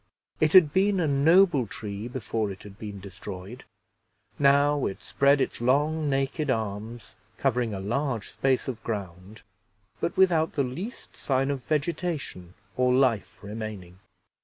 It had been a noble tree before it had been destroyed; now it spread its long naked arms, covering a large space of ground, but without the least sign of vegetation or life remaining.